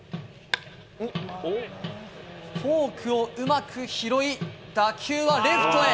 フォークをうまく拾い、打球はレフトへ。